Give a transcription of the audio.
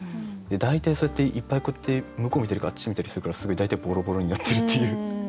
大体そうやっていっぱいこうやって向こう向いてるかあっち向いてたりするからすごい大体ぼろぼろになってるっていう。